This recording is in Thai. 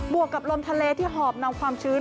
วกกับลมทะเลที่หอบนำความชื้น